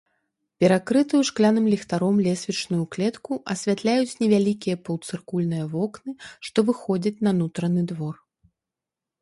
Перакрытую шкляным ліхтаром лесвічную клетку асвятляюць невялікія паўцыркульныя вокны, што выходзяць на нутраны двор.